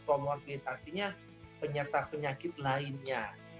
komorbititasnya penyertaan penyakit lainnya